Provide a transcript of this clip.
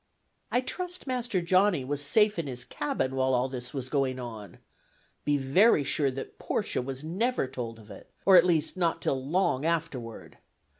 I trust Master Johnny was safe in his cabin while all this was going on: be very sure that Portia was never told of it, or at least not till long afterward.